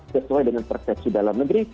sesuai dengan persepsi dalam negeri